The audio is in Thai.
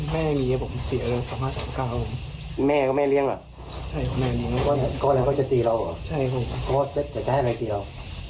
ไม่ได้อะไรเดี๋ยว